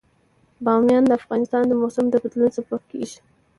بامیان د افغانستان د موسم د بدلون سبب کېږي.